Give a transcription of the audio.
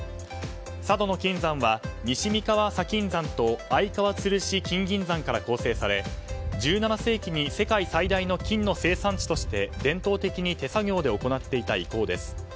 佐渡島の金山は、西三川砂金山と相川鶴子金銀山から構成され１７世紀に世界最大の金の生産地として伝統的に手作業で行っていた遺構です。